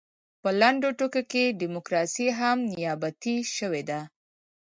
په لنډو ټکو کې ډیموکراسي هم نیابتي شوې ده.